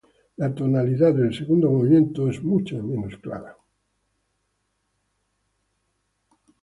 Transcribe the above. La tonalidad del segundo movimiento es mucho menos clara.